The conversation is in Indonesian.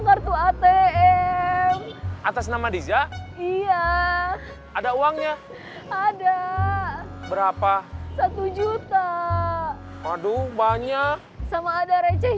kartu atm atas nama diza iya ada uangnya ada berapa satu juta aduh banyak sama ada receh